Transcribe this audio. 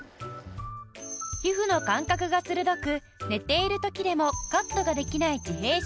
皮膚の感覚が鋭く寝ている時でもカットができない自閉症の男の子は